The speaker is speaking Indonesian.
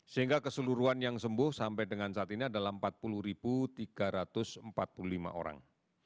sehingga keseluruhan yang sembuh sampai dengan saat ini adalah empat puluh tiga ratus empat puluh lima orang